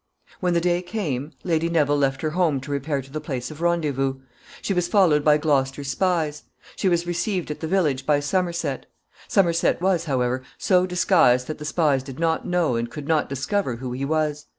When the day came, Lady Neville left her home to repair to the place of rendezvous. She was followed by Gloucester's spies. She was received at the village by Somerset. Somerset was, however, so disguised that the spies did not know and could not discover who he was.